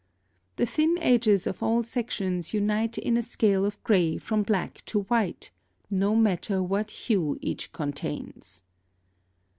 The thin edges of all sections unite in a scale of gray from black to white, no matter what hue each contains.